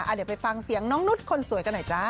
อะเดี๋ยวไปฟังเสียงน้องนุ๊ตคนสวยกันใหม่จ้า